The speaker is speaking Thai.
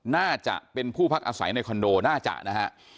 น่าจะเป็นผู้พักอาศัยในคอนโดน่าจะนะฮะ